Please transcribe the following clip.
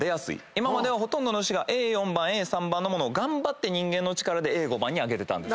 今まではほとんどの牛がＡ４番Ａ３番のものを頑張って人間の力でＡ５番に上げてた。